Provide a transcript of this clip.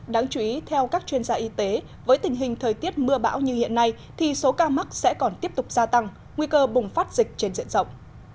đáng chú ý theo các chuyên gia y tế với tình hình thời tiết mưa bão như hiện nay thì số ca mắc sẽ còn tiếp tục gia tăng nguy cơ bùng phát dịch trên diện rộng